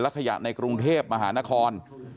ขยะในกรุงเทพมหานคร